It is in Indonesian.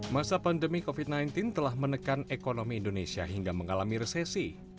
masa pandemi covid sembilan belas telah menekan ekonomi indonesia hingga mengalami resesi